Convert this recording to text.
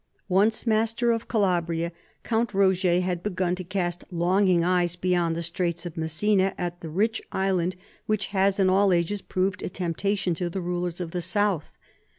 Once master of Calabria, Count Roger had begun to cast longing eyes beyond the Straits of Messina at the rich island which has in all ages proved a temptation to the rulers of the south.